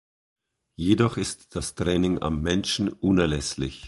Jedoch ist das Training am Menschen unerlässlich.